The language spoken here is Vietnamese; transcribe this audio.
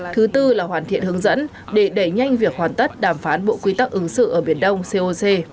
thứ tư là hoàn thiện hướng dẫn để đẩy nhanh việc hoàn tất đàm phán bộ quy tắc ứng xử ở biển đông coc